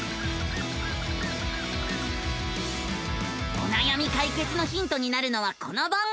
おなやみ解決のヒントになるのはこの番組。